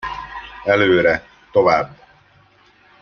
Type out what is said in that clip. Előre, tovább!